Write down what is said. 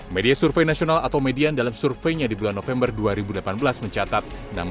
media survei nasional atau median dalam surveinya di bulan november dua ribu delapan belas mencatat